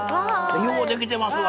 ようできてますわ！